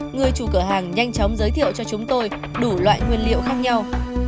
người chủ cửa hàng nhanh chóng giới thiệu cho chúng tôi đủ loại nguyên liệu khác nhau